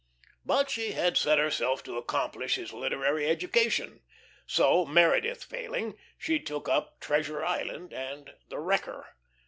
But she had set herself to accomplish his literary education, so, Meredith failing, she took up "Treasure Island" and "The Wrecker."